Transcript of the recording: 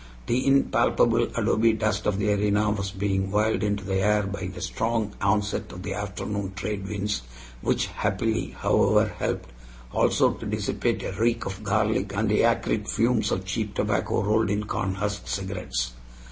The impalpable adobe dust of the arena was being whirled into the air by the strong onset of the afternoon trade winds, which happily, however, helped also to dissipate a reek of garlic, and the acrid fumes of cheap tobacco rolled in cornhusk cigarettes.